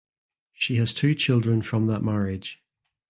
She has two children from that marriage.